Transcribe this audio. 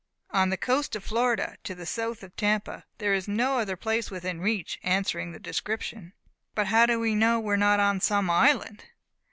"On the coast of Florida, to the south of Tampa. There is no other place within reach, answering the description." "But how do you know we are not on some island?"